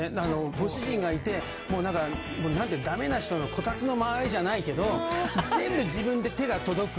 ご主人がいて駄目な人のこたつの周りじゃないけど全部自分で手が届く。